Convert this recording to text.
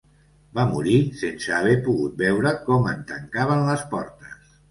Va morir sense haver pogut veure com en tancaven les portes.